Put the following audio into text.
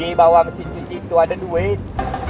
di bawah mesin cuci itu ada duit